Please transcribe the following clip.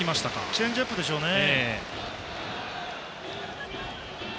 チェンジアップでしょうね。